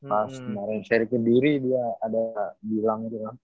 pas kemarin seri ke diri dia ada bilang gitu kan